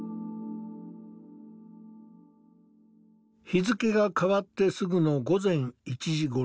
日付が変わってすぐの午前１時頃。